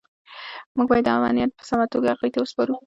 موږ باید دا امانت په سمه توګه هغوی ته وسپارو.